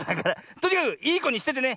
とにかくいいこにしててね。